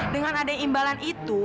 dengan adanya imbalan itu